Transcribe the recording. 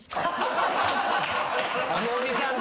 あのおじさん